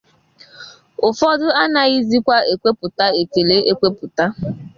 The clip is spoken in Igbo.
Ụfọdụ anaghịzịkwa ekweputa ekele ekweputa